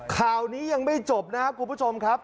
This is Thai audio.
ข่าวนี้ยังไม่จบนะครับคุณผู้ชมครับ